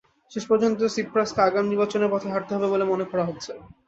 শেষ পর্যন্ত সিপ্রাসকে আগাম নির্বাচনের পথে হাঁটতে হবে বলে মনে করা হচ্ছে।